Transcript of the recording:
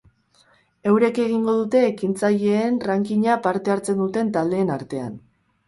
Eurek egingo dute ekintzaileen rankinga parte hartzen duten taldeen artean.